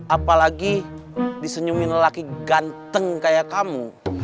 apalagi disenyumin lelaki ganteng kayak kamu